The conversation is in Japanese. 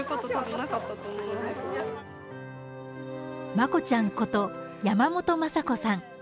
まこちゃんこと山本昌子さん。